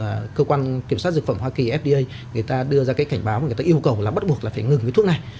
sau ba năm là cơ quan kiểm soát dược phẩm hoa kỳ fda người ta đưa ra cái cảnh báo và người ta yêu cầu là bắt buộc là phải ngừng cái thuốc này